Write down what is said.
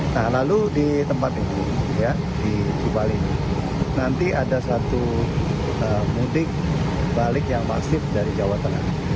nah lalu di tempat ini di bali nanti ada satu mudik balik yang masif dari jawa tengah